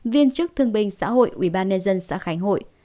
viên chức thương binh xã hội ubnd xã khánh hội